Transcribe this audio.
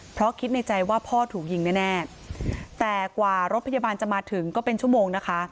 เพราะคิดในใจว่าพ่อถูกยิงแน่แต่กว่ารถพยาบาลจะมาถึงก็เป็นชั่วโมงนะคะ